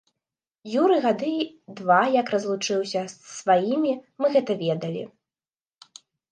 Юры гады два як разлучыўся з сваімі, мы гэта ведалі.